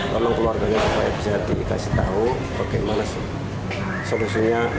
tolong keluarganya supaya bisa dikasih tahu bagaimana sih solusinya